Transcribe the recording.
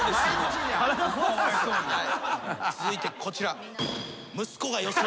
続いてこちら。